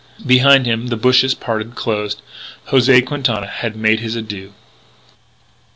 Behind him the bushes parted, closed. José Quintana had made his adieux.